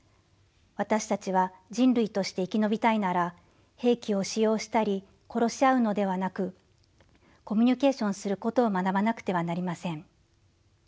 私たちは人類として生き延びたいなら兵器を使用したり殺し合うのではなくコミュニケーションすることを学ばなくてはなりません」。